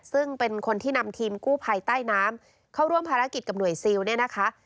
ซึ่งเป็นคนที่นำทีมกู้ภัยใต้น้ำเข้าร่วมภารกิจกับหน่วยซิลเนี่ยนะคะ